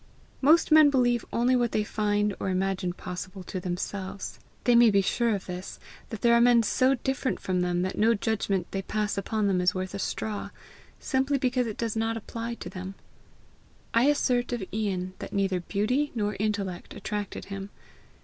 Most men believe only what they find or imagine possible to themselves. They may be sure of this, that there are men so different from them that no judgment they pass upon them is worth a straw, simply because it does not apply to them. I assert of Ian that neither beauty nor intellect attracted him.